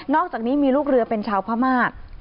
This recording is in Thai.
อกจากนี้มีลูกเรือเป็นชาวพม่า